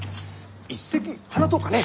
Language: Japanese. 一席話そうかね。